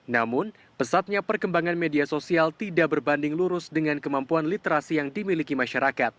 namun pesatnya perkembangan media sosial tidak berbanding lurus dengan kemampuan literasi yang dimiliki masyarakat